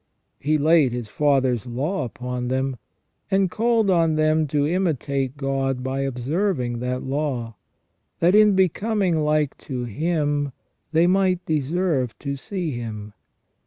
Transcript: He laid His Father's law upon them, and called on them to imitate God by observing that law, that in becoming like to Him they might deserve to see Him.